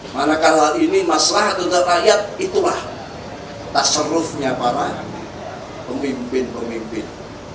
manakala ini masalah tentang rakyat itulah tak serufnya para pemimpin pemimpin